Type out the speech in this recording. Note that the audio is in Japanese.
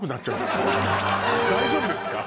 大丈夫ですか？